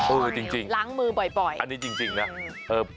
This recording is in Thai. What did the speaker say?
เออจริงล้างมือบ่อยอันนี้จริงนะ